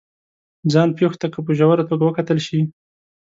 ځان پېښو ته که په ژوره توګه وکتل شي